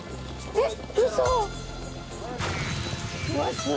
えっ？